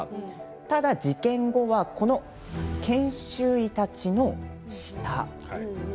ただ事件後は、この研修医たちの下ですね。